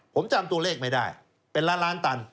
ผมจำตัวเลขไม่ได้เป็นล้านล้านตัน